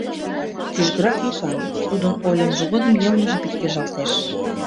Кӱжгырак йӱкан, тудын ойлымыжо годым йылмыже пиктежалтеш.